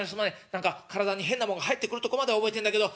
何か体に変なものが入ってくるとこまでは覚えてんだけど。